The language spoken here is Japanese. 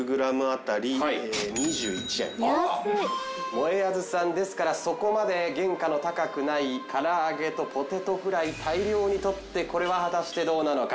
もえあずさんですからそこまで原価の高くない唐揚げとポテトフライ大量に取ってこれは果たしてどうなのか。